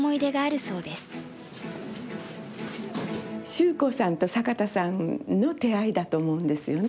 秀行さんと坂田さんの手合だと思うんですよね。